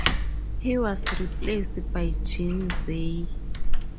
He was replaced by Jean Zay.